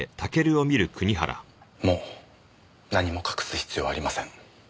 もう何も隠す必要はありません。